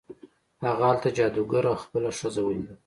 هغه هلته جادوګر او خپله ښځه ولیدل.